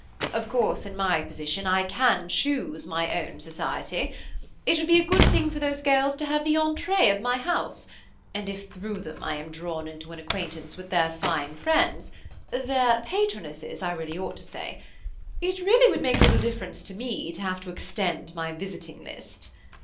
Of course, in my position, I can choose my own society. It would be a good thing for those girls to have the entrée of my house, and if through them I am drawn into an acquaintance with their fine friends, their patronesses I ought to say, it really would make little difference to me to have to extend my visiting list.